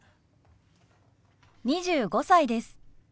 ２５歳です。